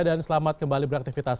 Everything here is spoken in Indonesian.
dan selamat kembali beraktivitas